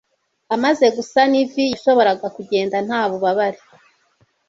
Amaze gusana ivi yashoboraga kugenda nta bubabare